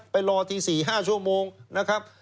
รอที๔๕ชั่วโมงนะครับ